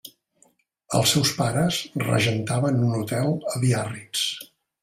Els seus pares regentaven un hotel a Biarritz.